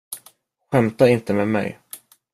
Skämta inte med mig!